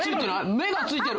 目がついてる！